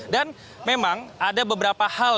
dan memang ada beberapa hal